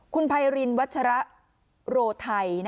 คุณไพรินวัชระโรไทย